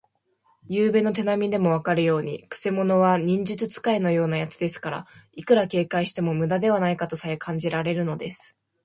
ゆうべの手なみでもわかるように、くせ者は忍術使いのようなやつですから、いくら警戒してもむだではないかとさえ感じられるのです。